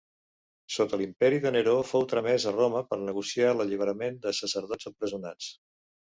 Sota l'imperi de Neró fou tramès a Roma per negociar l'alliberament de sacerdots empresonats.